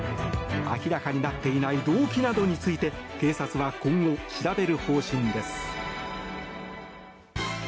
明らかになっていない動機などについて警察は、今後調べる方針です。